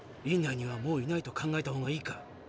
院内にはもういないと考えたほうがいいか。